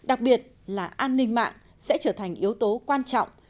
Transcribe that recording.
an ninh mạng sẽ trở thành yếu tố quan trọng